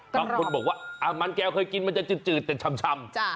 บางคนบอกว่ามันแก้วเคยกินมันจะจืดแต่ชำ